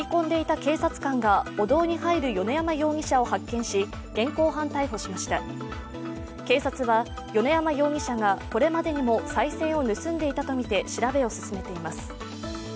警察は、米山容疑者がこれまでもさい銭を盗んでいたとみて、調べを進めています。